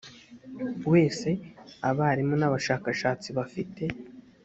wese abarimu n abashakashatsi bafite